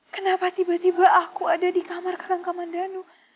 kenapa tiba tiba aku ada di kamar kakang kamandiano